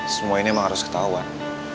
semua ini memang harus ketahuan